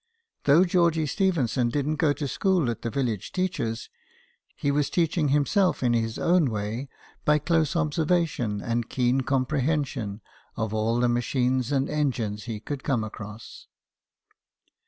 Though Geordie Stephenson didn't go to school at the village teacher's, he was teaching himself in his own way by close observation and keen compre hension of all the machines and engines he could come across.